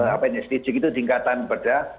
apa ini staging itu tingkatan pada